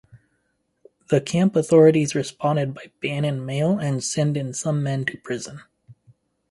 The camp authorities responded by banning mail and sending some men to prison.